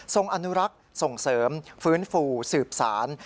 อนุรักษ์ส่งเสริมฟื้นฟูสืบสาร